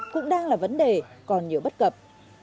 cũng đang là vấn đề còn nhiều bất cập